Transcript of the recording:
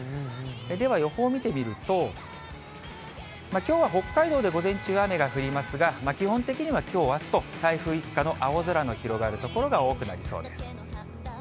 では予報見てみると、きょうは北海道で午前中、雨が降りますが、基本的にはきょう、あすと台風一過の青空の広がる所が多くなりそうです。